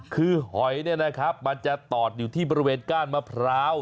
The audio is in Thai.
คือหอยเนี่ยนะครับมันจะตอดอยู่ที่บริเวณก้านมะพร้าว